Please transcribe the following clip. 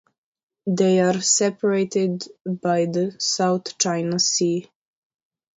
They are separated by the South China Sea.